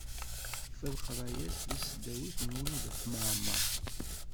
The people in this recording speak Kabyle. Tekfa-d leqraya-s di tesdawit n Lmulud At Mɛemmer.